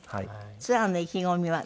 ツアーの意気込みはどんな？